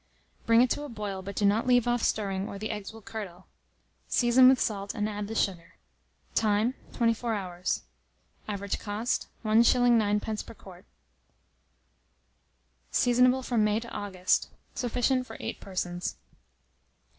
Bring it to a boil, but do not leave off stirring, or the eggs will curdle. Season with salt, and add the sugar. Time. 24 hours. Average cost, 1s. 9d. per quart. Seasonable from May to August. Sufficient for 8 persons.